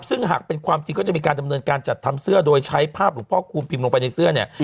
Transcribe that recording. ซึ่งหากเป็นความจริงก็จะมีการดำเนินการจัดทำเสื้อโดยใช้ภาพหลวงพ่อคูณพิมพ์ลงไปในเสื้อเนี่ย